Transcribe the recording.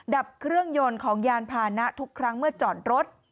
ดับเครื่องยนต์ของยานพานะทุกครั้งเมื่อจอดรถ